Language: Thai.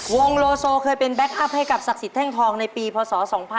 วงโลโซเคยเป็นแก๊คอัพให้กับศักดิ์สิทธิแท่งทองในปีพศ๒๕๖๒